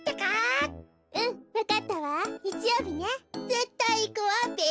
ぜったいいくわべ。